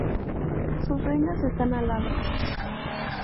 Sus reinas están aladas.